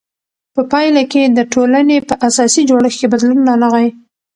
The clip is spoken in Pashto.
په پایله کې د ټولنې په اساسي جوړښت کې بدلون رانغی.